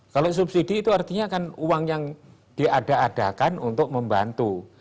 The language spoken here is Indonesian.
kalau subsidi itu artinya kan uang yang diada adakan untuk membantu